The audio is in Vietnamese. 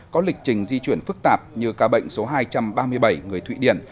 có lịch trình di chuyển phức tạp như ca bệnh số hai trăm ba mươi bảy người thụy điển